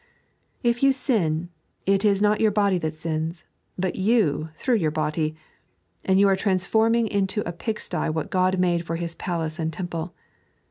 If you sin, it is not your body that Bins, but you through your body ; and yon are transforminj^ into a pigsty what Ood made for His palace and temple.